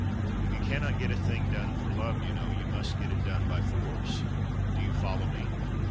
If you cannot get a thing done for love, you know, you must get it done by force. Do you follow me?"